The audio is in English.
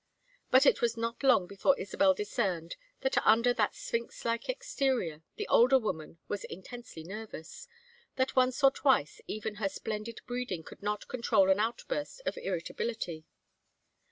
But it was not long before Isabel discerned that under that sphinx like exterior the older woman was intensely nervous, that once or twice even her splendid breeding could not control an outburst of irritability.